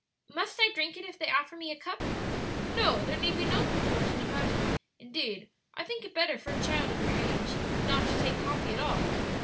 "Must I drink it if they offer me a cup?" "No; there need be no compulsion about it; indeed, I think it better for a child of your age not to take coffee at all."